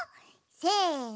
せの！